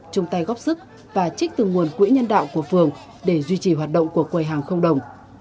chung tay góp sức và trích từ nguồn quỹ nhân đạo của phường để duy trì hoạt động của quầy hàng không đồng